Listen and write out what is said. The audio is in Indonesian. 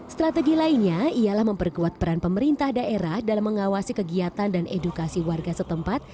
strategi lainnya ialah memperkuat peran pemerintah daerah dalam mengawasi kegiatan dan edukasi warga setempat